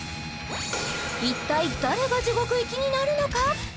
一体誰が地獄行きになるのか？